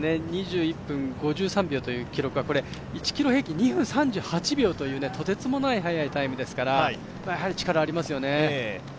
２１分５３秒という記録は１ｋｍ平均２分３８秒というとてつもない速いタイムですからやはり力がありますよね。